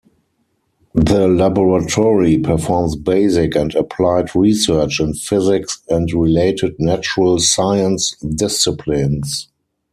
The laboratory performs basic and applied research in physics and related natural science disciplines.